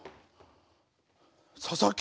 佐々木。